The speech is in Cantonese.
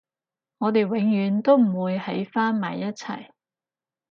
我哋永遠都唔會喺返埋一齊